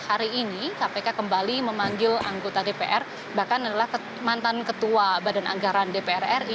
hari ini kpk kembali memanggil anggota dpr bahkan adalah mantan ketua badan anggaran dpr ri